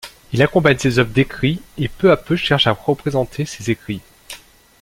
Il accompagne ses œuvres d’écrits et peu à peu cherche à représenter ses écrits.